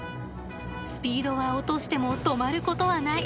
スピードは落としても止まることはない。